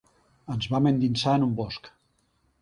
Ens vam endinsar en un bosc.